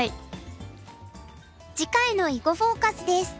次回の「囲碁フォーカス」です。